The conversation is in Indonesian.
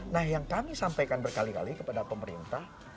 nah yang kami sampaikan berkali kali kepada pemerintah